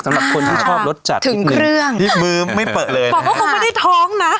สำหรับคนที่ชอบรสจัดถึงเครื่องที่มือไม่เปลือเลยบอกว่าคงไม่ได้ท้องนะ